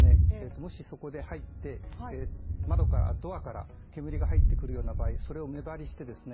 もしそこで入って窓からドアから煙が入ってくるような場合それを目張りしてですね